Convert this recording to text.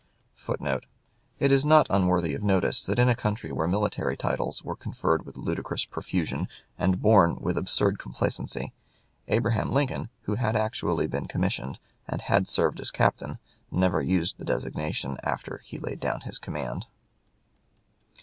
[Footnote: It is not unworthy of notice that in a country where military titles were conferred with ludicrous profusion, and borne with absurd complacency, Abraham Lincoln, who had actually been commissioned, and had served as captain, never used the designation after he laid down his command.